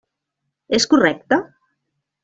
És correcte?